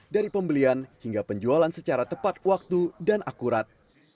dari pembelian hingga penjualan secara tepat waktu dan akurat